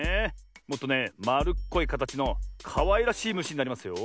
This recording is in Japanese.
もっとねまるっこいかたちのかわいらしいむしになりますよ。